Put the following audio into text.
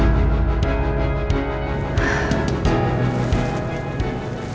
kamu bisa lihat buktinya